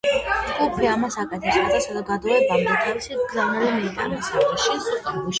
ჯგუფი ამას აკეთებს, რათა საზოგადოებამდე თავისი გზავნილი მიიტანოს.